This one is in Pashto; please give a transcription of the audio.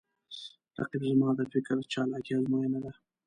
رقیب زما د فکر چالاکي آزموینه ده